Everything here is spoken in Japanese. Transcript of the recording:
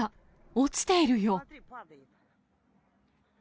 落ちているよ。